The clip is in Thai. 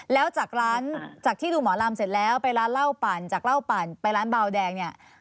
แล้วจากที่ดูหมอรามเสร็จแล้วไปร้านเหล้าปั่นจากเหล้าปั่นไปร้านเบาแดง